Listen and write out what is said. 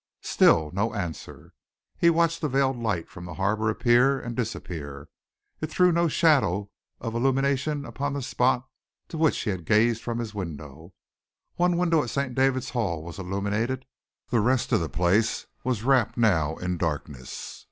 Still no answer. He watched the veiled light from the harbour appear and disappear. It threw no shadow of illumination upon the spot to which he had gazed from his window. One window at St. David's Hall was illuminated. The rest of the place was wrapped now in darkness.